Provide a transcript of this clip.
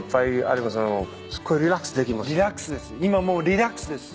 リラックスです。